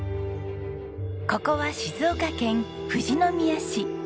ここは静岡県富士宮市。